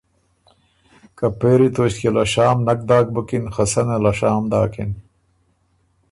که پېری توݭکيې له شام نک داک بُکِن خه سنه له شام داکِن۔